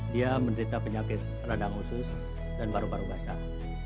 dia menderita penyakit radang usus dan paru paru basah